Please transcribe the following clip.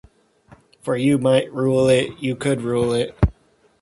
For you might rule it — you could rule it.